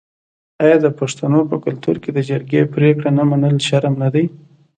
آیا د پښتنو په کلتور کې د جرګې پریکړه نه منل شرم نه دی؟